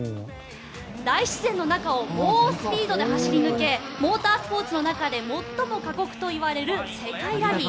大自然の中を猛スピードで走り抜けモータースポーツの中で最も過酷といわれる世界ラリー。